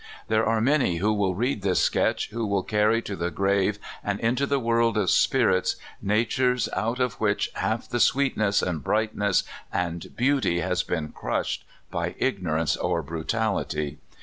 There are many who will read this sketch who will carry to the grave and into the world of spirits natures out of which half the sweetness and brightness and beauty has been crushed by ignorance or brutality.